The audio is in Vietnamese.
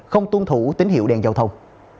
không tuân thủ tín hiệu đèn giao thông